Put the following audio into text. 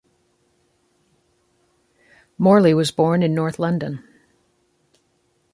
Morley was born in north London.